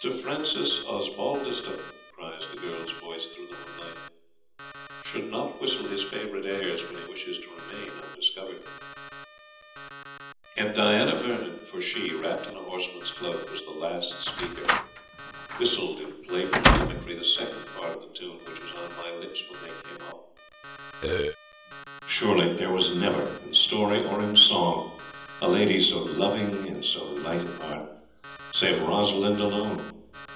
"Mr. Francis Osbaldistone," cries the girl's voice through the moonlight, "should not whistle his favourite airs when he wishes to remain undiscovered." And Diana Vernon for she, wrapped in a horseman's cloak, was the last speaker whistled in playful mimicry the second part of the tune, which was on my lips when they came up. Surely there was never, in story or in song, a lady so loving and so light of heart, save Rosalind alone.